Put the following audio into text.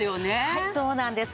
はいそうなんです。